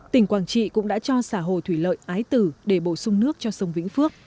tỉnh quảng trị cũng đã cho xã hồ thủy lợi ái tử để bổ sung nước cho sông vĩnh phước